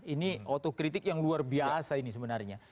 ini otokritik yang luar biasa ini sebenarnya